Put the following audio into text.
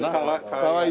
かわいい。